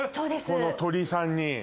この鳥さんに。